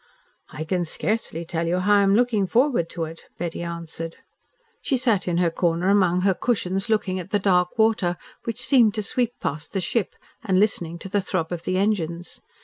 "I can scarcely tell you how I am looking forward to it," Betty answered. She sat in her corner among her cushions looking at the dark water which seemed to sweep past the ship, and listening to the throb of the engines.